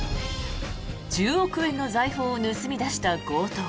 １０億円の財宝を盗み出した強盗。